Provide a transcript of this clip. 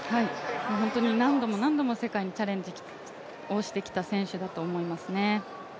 本当に何度も何度も世界にチャレンジをしてきた選手だと思いますね。